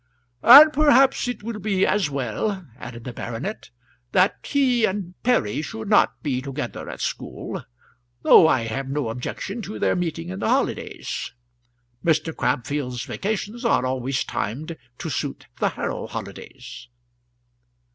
"And perhaps it will be as well," added the baronet, "that he and Perry should not be together at school, though I have no objection to their meeting in the holidays. Mr. Crabfield's vacations are always timed to suit the Harrow holidays."